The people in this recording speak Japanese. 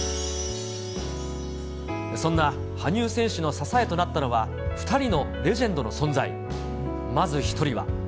そんな羽生選手の支えとなったのは、２人のレジェンドの存在。